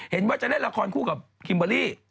เห็นว่าจะเล่นละครคู่กับคิมเบอร์รี่